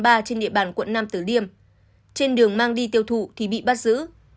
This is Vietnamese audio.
trên địa bàn quận nam tử liêm trên đường mang đi tiêu thụ thì bị bắt giữ